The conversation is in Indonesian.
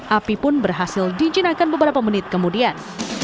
api pun berhasil dijinakkan beberapa menit kemudian